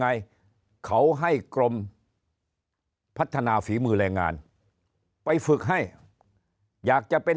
ไงเขาให้กรมพัฒนาฝีมือแรงงานไปฝึกให้อยากจะเป็น